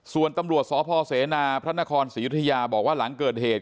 ส่วนตำรวจสพเสนาพระนครศรียุธยาบอกว่าหลังเกิดเหตุ